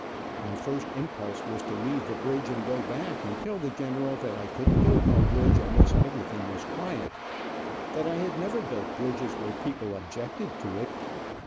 My first impulse was to leave the bridge and go back and tell the general that I couldn't build no bridge unless everything was quiet. That I had never built bridges where people objected to it.